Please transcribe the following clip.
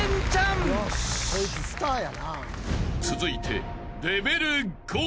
［続いて］